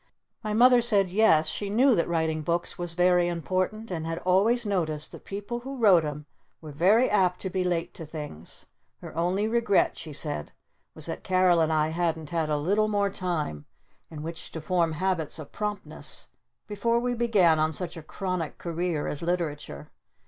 My Mother said yes, she knew that writing books was very important and had always noticed that people who wrote 'em were very apt to be late to things. Her only regret, she said, was that Carol and I hadn't had a little more time in which to form habits of promptness before we began on such a chronic career as Literature.